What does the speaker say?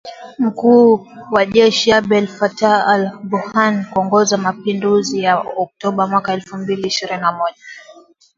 mkuu wa jeshi Abdel Fattah al-Burhan kuongoza mapinduzi ya Oktoba mwaka elfu mbili ishirini na moja